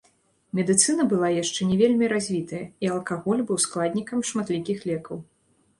Медыцына была яшчэ не вельмі развітая, і алкаголь быў складнікам шматлікіх лекаў.